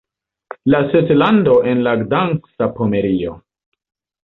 La setlado en la Gdanska Pomerio.